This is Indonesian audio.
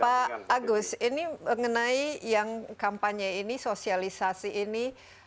pak agus ini mengenai yang kampanye ini sosialisasi ini